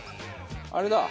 あれだ！